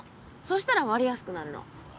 そしたら割れやすくなるの。